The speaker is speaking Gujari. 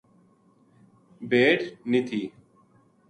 بھیڈ نیہہ تھی۔